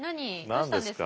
どうしたんですか？